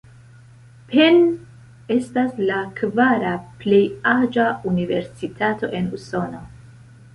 Penn estas la kvara plej aĝa universitato en Usono.